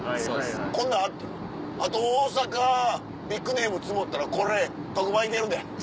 こんなあと大阪ビッグネームツモったらこれ特番いけるで。